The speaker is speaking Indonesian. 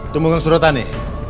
tunggu di suratani